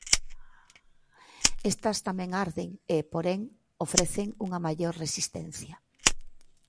Estas tamén arden e, porén, ofrecen unha maior resistencia.